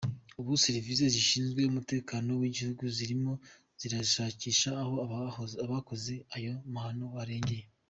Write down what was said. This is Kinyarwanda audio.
Ubu serivise zishinzwe umutekano w’igihugu zirimo zirashakisha aho abakoze ayo mahano barengeye.